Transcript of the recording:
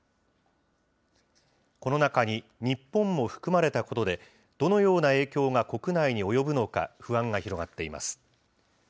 この中に日本も含まれたことで、どのような影響が国内に及ぶのか不安が広がっています。